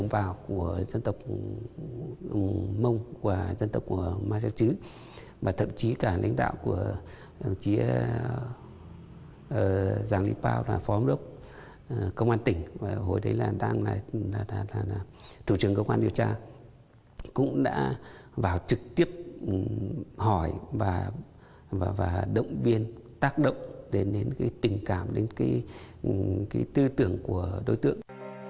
phó giám đốc công an tỉnh hồi đấy là thủ trưởng cơ quan điều tra cũng đã vào trực tiếp hỏi và động viên tác động đến tình cảm đến tư tưởng của đối tượng